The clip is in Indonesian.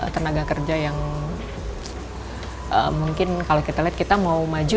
tenaga kerja yang mungkin kalau kita lihat kita mau maju